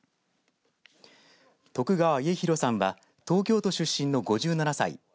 徳川家広さんは東京都出身の５７歳。